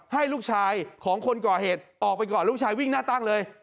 ให้ลูกชายของคนก่อเหตุออกไปก่อนลูกชายวิ่งหน้าตั้งเลย